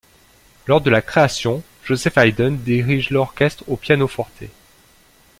Lors de la création, Joseph Haydn dirige l'orchestre au pianoforte.